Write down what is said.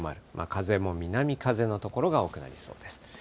風も南風の所が多くなりそうです。